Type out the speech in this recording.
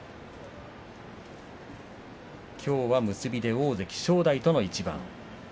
きょうは結びで大関正代との一番。